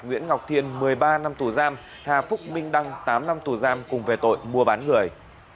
nguyễn ngọc thiên một mươi ba năm tù giam hà phúc minh đăng tám năm tù giam cùng về tội mua bán người